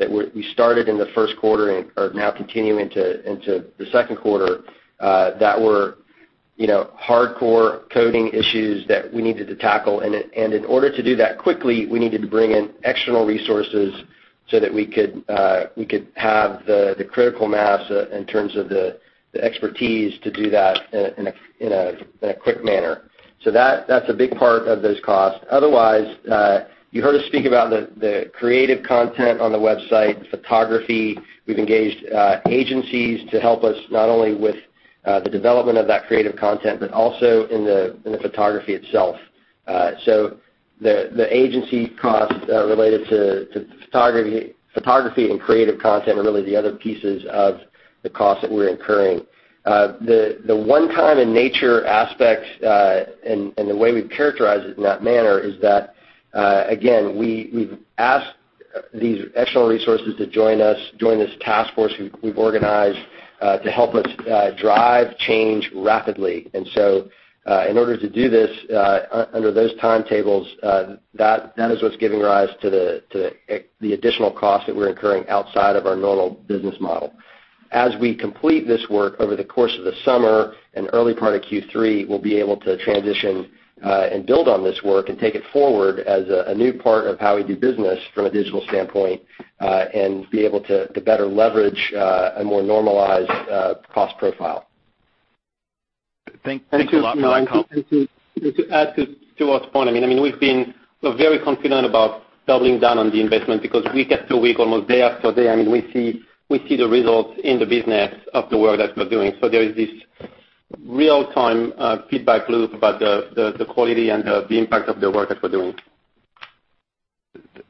that we started in the first quarter and are now continuing into the second quarter, that were hardcore coding issues that we needed to tackle. In order to do that quickly, we needed to bring in external resources so that we could have the critical mass in terms of the expertise to do that in a quick manner. That's a big part of those costs. Otherwise, you heard us speak about the creative content on the website, photography. We've engaged agencies to help us not only with the development of that creative content, but also in the photography itself. The agency costs related to photography and creative content are really the other pieces of the cost that we're incurring. The one-time in nature aspects, and the way we characterize it in that manner is that, again, we've asked these external resources to join us, join this task force we've organized to help us drive change rapidly. In order to do this under those timetables, that is what's giving rise to the additional costs that we're incurring outside of our normal business model. As we complete this work over the course of the summer and early part of Q3, we'll be able to transition and build on this work and take it forward as a new part of how we do business from a digital standpoint, and be able to better leverage a more normalized cost profile. Thank you a lot for that. To add to Stuart's point, we've been very confident about doubling down on the investment because week after week, almost day after day, we see the results in the business of the work that we're doing. There is this real-time feedback loop about the quality and the impact of the work that we're doing.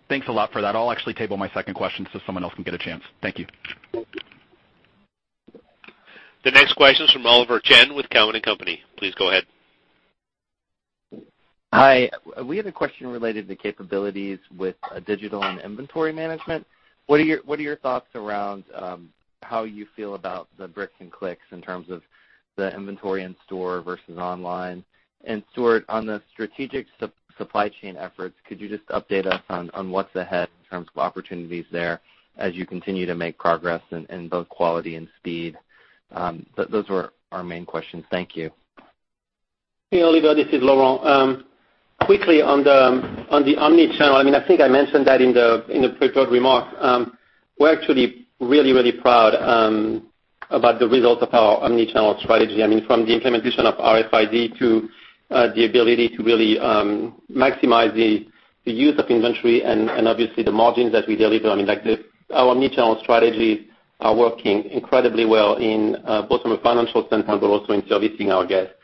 Thanks a lot for that. I'll actually table my second question someone else can get a chance. Thank you. The next question is from Oliver Chen with Cowen and Company. Please go ahead. Hi. We have a question related to capabilities with digital and inventory management. What are your thoughts around how you feel about the bricks and clicks in terms of the inventory in store versus online? Stuart, on the strategic supply chain efforts, could you just update us on what's ahead in terms of opportunities there as you continue to make progress in both quality and speed? Those were our main questions. Thank you. Hey, Oliver. This is Laurent. Quickly on the omnichannel, I think I mentioned that in the prepared remarks. We're actually really proud about the results of our omnichannel strategy. From the implementation of RFID to the ability to really maximize the use of inventory and obviously the margins that we deliver. Our omnichannel strategies are working incredibly well both from a financial standpoint, but also in servicing our guests.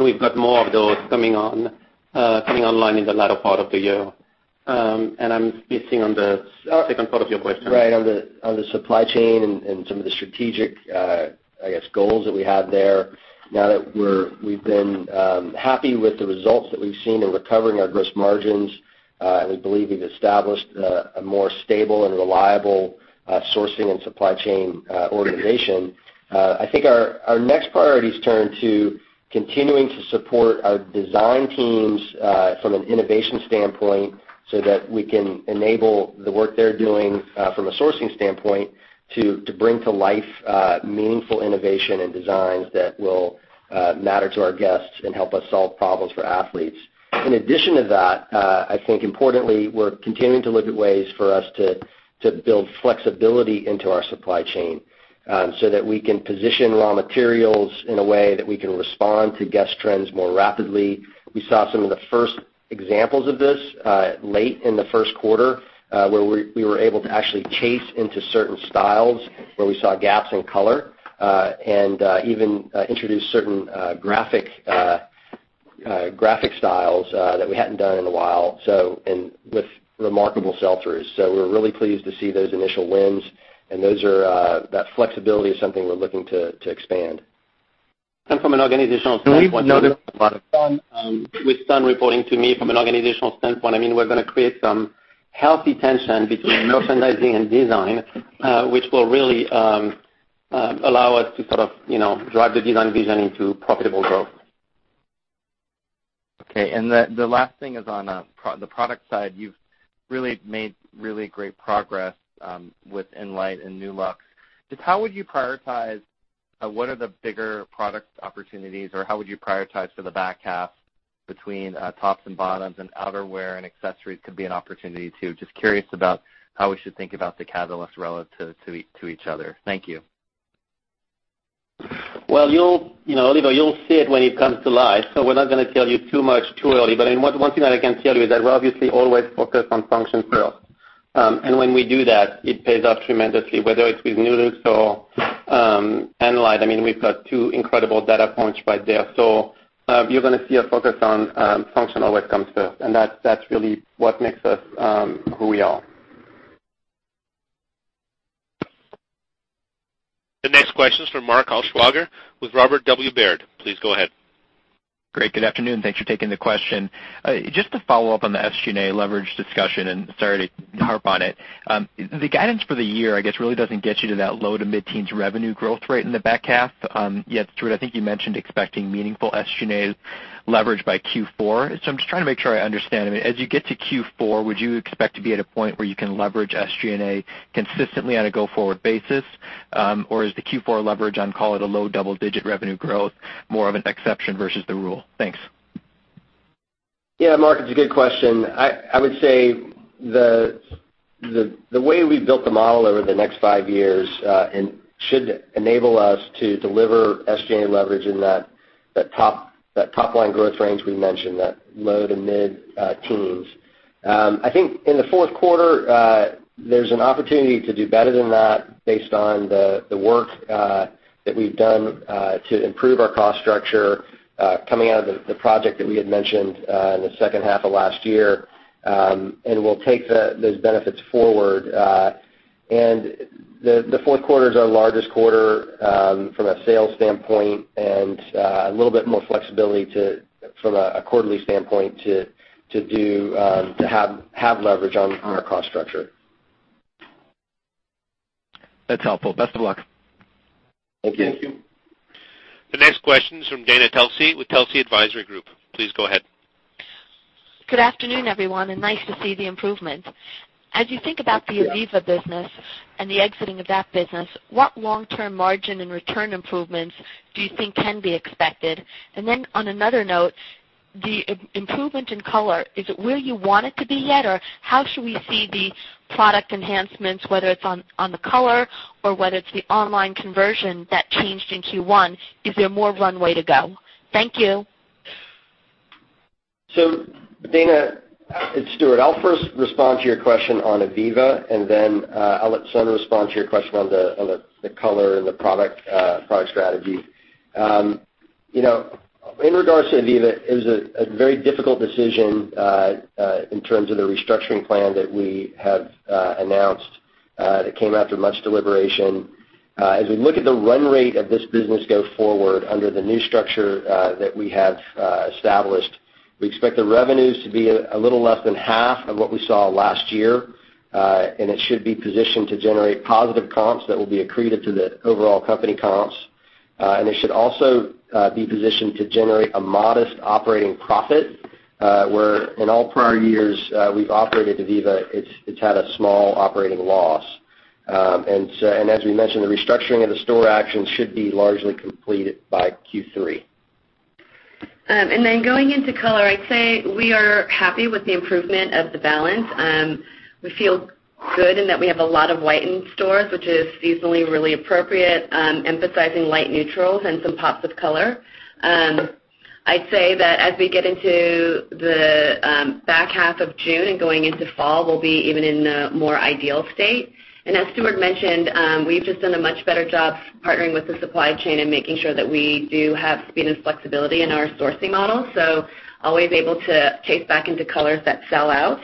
We've got more of those coming online in the latter part of the year. I'm missing on the second part of your question. Right. On the supply chain and some of the strategic, I guess, goals that we have there. Now that we've been happy with the results that we've seen in recovering our gross margins, and we believe we've established a more stable and reliable sourcing and supply chain organization. I think our next priorities turn to continuing to support our design teams from an innovation standpoint so that we can enable the work they're doing from a sourcing standpoint to bring to life meaningful innovation and designs that will matter to our guests and help us solve problems for athletes. In addition to that, I think importantly, we're continuing to look at ways for us to build flexibility into our supply chain, so that we can position raw materials in a way that we can respond to guest trends more rapidly. We saw some of the first examples of this late in the first quarter, where we were able to actually chase into certain styles where we saw gaps in color, and even introduce certain graphic styles that we hadn't done in a while, and with remarkable sell-throughs. We're really pleased to see those initial wins, and that flexibility is something we're looking to expand. From an organizational standpoint- We've noted a lot of With Sun reporting to me from an organizational standpoint, we're going to create some healthy tension between merchandising and design, which will really allow us to drive the design vision into profitable growth. Okay. The last thing is on the product side. You've really made really great progress with Enlite and Nulux. Just how would you prioritize what are the bigger product opportunities, or how would you prioritize for the back half between tops and bottoms and outerwear and accessories could be an opportunity too. Just curious about how we should think about the catalyst relative to each other. Thank you. Well, Oliver, you'll see it when it comes to life. We're not going to tell you too much too early, but one thing that I can tell you is that we're obviously always focused on function first. When we do that, it pays off tremendously, whether it's with Nulux or Enlite. We've got two incredible data points right there. You're going to see a focus on functional when it comes to it, and that's really what makes us who we are. The next question is from Mark Altschwager with Robert W. Baird. Please go ahead. Great. Good afternoon. Thanks for taking the question. Just to follow up on the SG&A leverage discussion, sorry to harp on it. The guidance for the year, I guess, really doesn't get you to that low- to mid-teens revenue growth rate in the back half. Stuart, I think you mentioned expecting meaningful SG&A leverage by Q4. I'm just trying to make sure I understand. As you get to Q4, would you expect to be at a point where you can leverage SG&A consistently on a go-forward basis? Or is the Q4 leverage on, call it, a low double-digit revenue growth, more of an exception versus the rule? Thanks. Yeah, Mark, it's a good question. I would say the way we've built the model over the next five years should enable us to deliver SG&A leverage in that top-line growth range we mentioned, that low to mid teens. I think in the fourth quarter, there's an opportunity to do better than that based on the work that we've done to improve our cost structure coming out of the project that we had mentioned in the second half of last year. We'll take those benefits forward. The fourth quarter is our largest quarter from a sales standpoint and a little bit more flexibility from a quarterly standpoint to have leverage on our cost structure. That's helpful. Best of luck. Thank you. Thank you. The next question is from Dana Telsey with Telsey Advisory Group. Please go ahead. Good afternoon, everyone, nice to see the improvements. As you think about the ivivva business and the exiting of that business, what long-term margin and return improvements do you think can be expected? On another note, the improvement in color, is it where you want it to be yet? Or how should we see the product enhancements, whether it's on the color or whether it's the online conversion that changed in Q1? Is there more runway to go? Thank you. Dana, it's Stuart. I'll first respond to your question on ivivva. I'll let Sun respond to your question on the color and the product strategy. In regards to ivivva, it was a very difficult decision in terms of the restructuring plan that we have announced. It came after much deliberation. As we look at the run rate of this business go forward under the new structure that we have established, we expect the revenues to be a little less than half of what we saw last year. It should be positioned to generate positive comps that will be accretive to the overall company comps. It should also be positioned to generate a modest operating profit, where in all prior years we've operated ivivva, it's had a small operating loss. As we mentioned, the restructuring of the store actions should be largely completed by Q3. Going into color, I'd say we are happy with the improvement of the balance. We feel good in that we have a lot of white in stores, which is seasonally really appropriate, emphasizing light neutrals and some pops of color. I'd say that as we get into the back half of June and going into fall, we'll be even in a more ideal state. As Stuart mentioned, we've just done a much better job partnering with the supply chain and making sure that we do have speed and flexibility in our sourcing model. Always able to chase back into colors that sell out.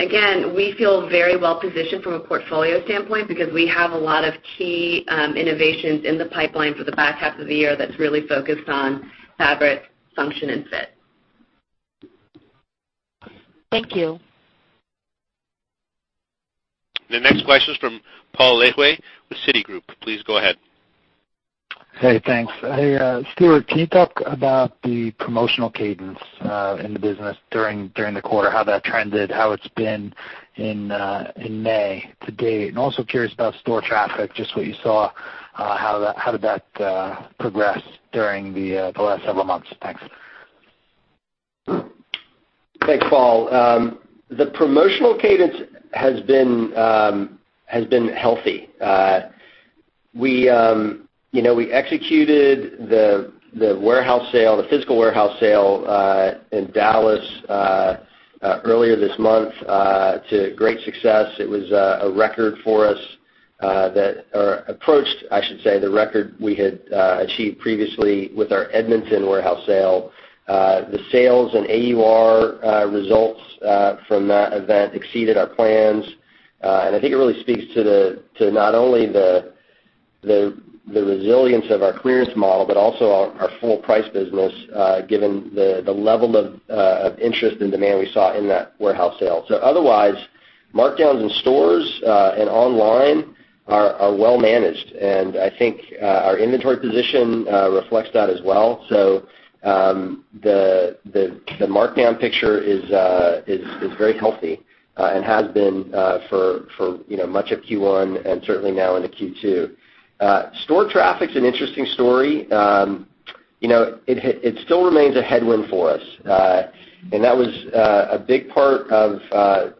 Again, we feel very well positioned from a portfolio standpoint because we have a lot of key innovations in the pipeline for the back half of the year that's really focused on fabric, function, and fit. Thank you. The next question is from Paul Lejuez with Citigroup. Please go ahead. Hey, thanks. Hey, Stuart, can you talk about the promotional cadence in the business during the quarter, how that trended, how it's been in May to date, and also curious about store traffic, just what you saw, how did that progress during the last several months? Thanks. Thanks, Paul. The promotional cadence has been healthy. We executed the physical warehouse sale in Dallas earlier this month to great success. It was a record for us that, or approached, I should say, the record we had achieved previously with our Edmonton warehouse sale. The sales and AUR results from that event exceeded our plans. I think it really speaks to not only the resilience of our clearance model, but also our full-price business, given the level of interest and demand we saw in that warehouse sale. Otherwise, markdowns in stores and online are well managed. I think our inventory position reflects that as well. The markdown picture is very healthy, and has been for much of Q1, and certainly now into Q2. Store traffic's an interesting story. It still remains a headwind for us. That was a big part of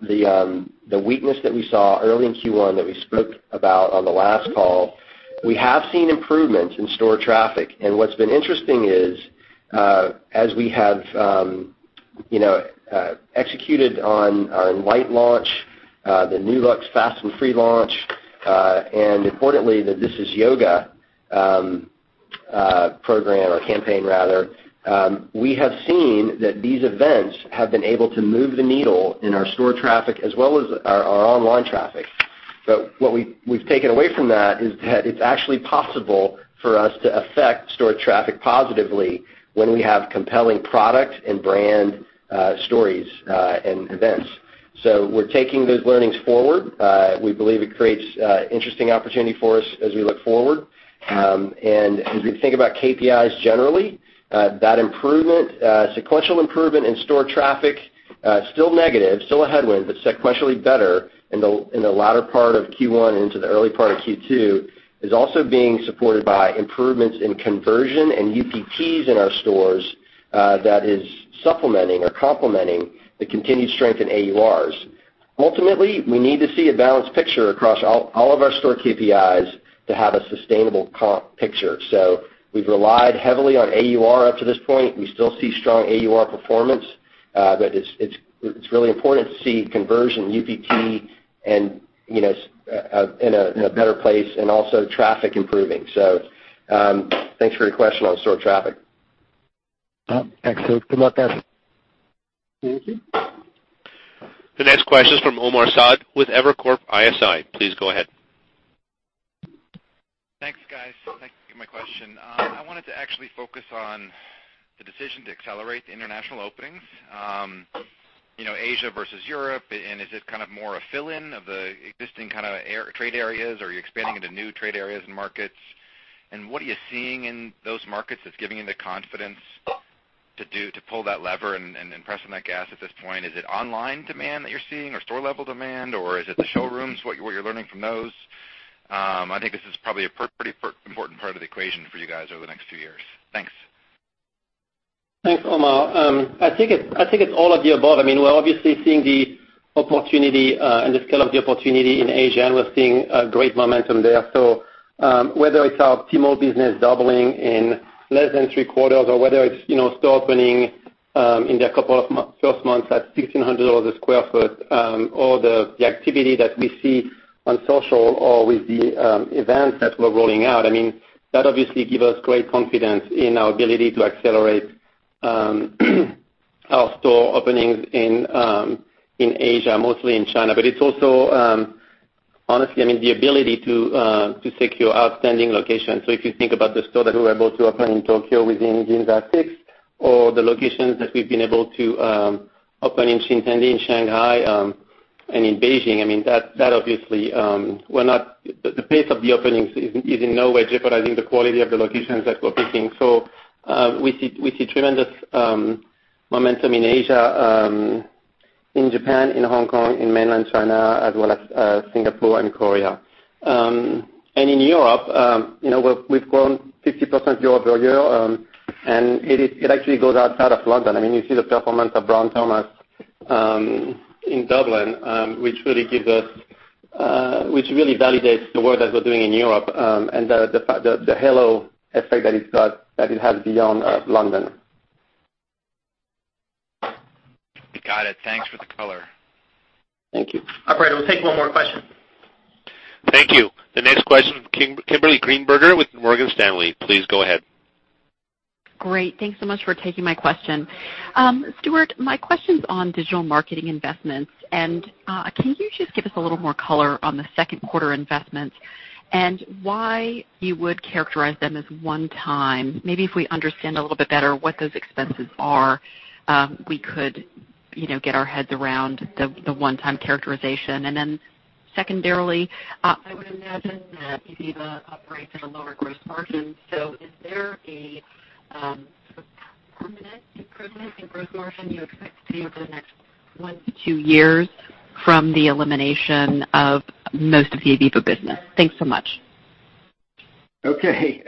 the weakness that we saw early in Q1 that we spoke about on the last call. We have seen improvements in store traffic, and what's been interesting is, as we have executed on Enlite Launch, the new look Fast and Free launch, and importantly, the This Is Yoga program, or campaign rather, we have seen that these events have been able to move the needle in our store traffic as well as our online traffic. What we've taken away from that is that it's actually possible for us to affect store traffic positively when we have compelling product and brand stories, and events. We're taking those learnings forward. We believe it creates interesting opportunity for us as we look forward. As we think about KPIs, generally, that sequential improvement in store traffic, still negative, still a headwind, but sequentially better in the latter part of Q1 into the early part of Q2, is also being supported by improvements in conversion and UPTs in our stores that is supplementing or complementing the continued strength in AURs. Ultimately, we need to see a balanced picture across all of our store KPIs to have a sustainable comp picture. We've relied heavily on AUR up to this point. We still see strong AUR performance, but it's really important to see conversion, UPT in a better place and also traffic improving. Thanks for your question on store traffic. Excellent. Good luck guys. Thank you. The next question is from Omar Saad with Evercore ISI. Please go ahead. Thanks, guys. Thanks for taking my question. I wanted to actually focus on the decision to accelerate the international openings. Asia versus Europe, is it more a fill-in of the existing trade areas, or are you expanding into new trade areas and markets? What are you seeing in those markets that's giving you the confidence to pull that lever and pressing that gas at this point? Is it online demand that you're seeing or store-level demand, or is it the showrooms, what you're learning from those? I think this is probably a pretty important part of the equation for you guys over the next few years. Thanks. Thanks, Omar. I think it's all of the above. We're obviously seeing the opportunity and the scale of the opportunity in Asia. We're seeing great momentum there. Whether it's our Tmall business doubling in less than three quarters or whether it's store opening in the first months at $1,600 a sq ft, or the activity that we see on social or with the events that we're rolling out, that obviously give us great confidence in our ability to accelerate our store openings in Asia, mostly in China. It's also, honestly, the ability to secure outstanding locations. If you think about the store that we're able to open in Tokyo within Ginza Six, or the locations that we've been able to open in Shenzhen, in Shanghai, and in Beijing, the pace of the openings is in no way jeopardizing the quality of the locations that we're picking. We see tremendous momentum in Asia, in Japan, in Hong Kong, in Mainland China, as well as Singapore and Korea. In Europe, we've grown 50% year-over-year. It actually goes outside of London. You see the performance of Brown Thomas in Dublin, which really validates the work that we're doing in Europe, and the halo effect that it has beyond London. Got it. Thanks for the color. Thank you. Operator, we'll take one more question. Thank you. The next question is from Kimberly Greenberger with Morgan Stanley. Please go ahead. Great. Thanks so much for taking my question. Stuart, my question's on digital marketing investments. Can you just give us a little more color on the second quarter investments, and why you would characterize them as one-time? Maybe if we understand a little bit better what those expenses are, we could get our heads around the one-time characterization. Secondarily, I would imagine that ivivva operates at a lower gross margin. Is there a permanent improvement in gross margin you expect to see over the next one to two years from the elimination of most of the ivivva business? Thanks so much. Okay.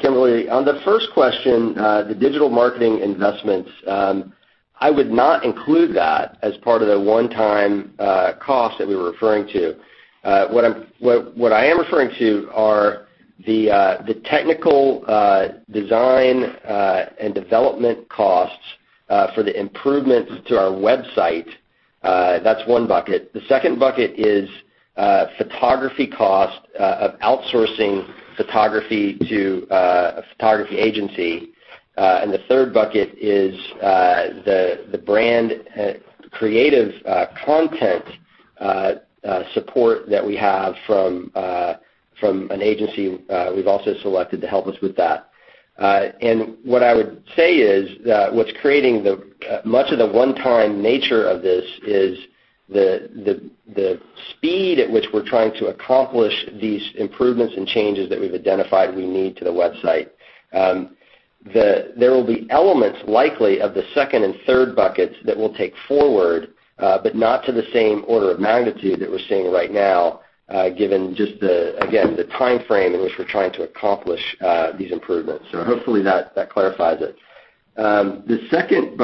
Kimberly, on the first question, the digital marketing investments, I would not include that as part of the one-time cost that we were referring to. What I am referring to are the technical design and development costs for the improvements to our website. That's one bucket. The second bucket is photography cost, of outsourcing photography to a photography agency. The third bucket is the brand creative content support that we have from an agency we've also selected to help us with that. What I would say is that what's creating much of the one-time nature of this is the speed at which we're trying to accomplish these improvements and changes that we've identified we need to the website. There will be elements, likely, of the second and third buckets that we'll take forward, but not to the same order of magnitude that we're seeing right now, given just, again, the timeframe in which we're trying to accomplish these improvements. Hopefully that clarifies it. The second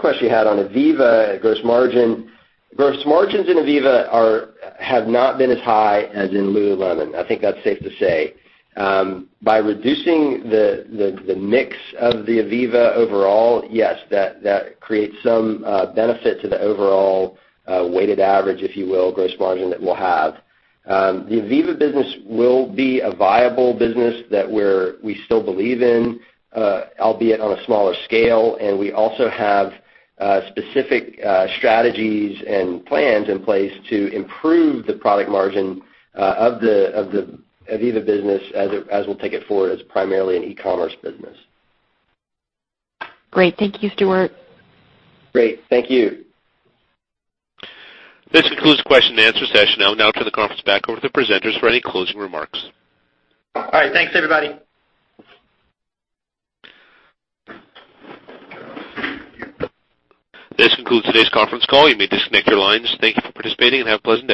question you had on ivivva gross margin. Gross margins in ivivva have not been as high as in Lululemon. I think that's safe to say. By reducing the mix of the ivivva overall, yes, that creates some benefit to the overall weighted average, if you will, gross margin that we'll have. The ivivva business will be a viable business that we still believe in, albeit on a smaller scale, and we also have specific strategies and plans in place to improve the product margin of the ivivva business as we'll take it forward as primarily an e-commerce business. Great. Thank you, Stuart. Great. Thank you. This concludes the question and answer session. I will now turn the conference back over to the presenters for any closing remarks. All right. Thanks, everybody. This concludes today's conference call. You may disconnect your lines. Thank you for participating, and have a pleasant rest of your day.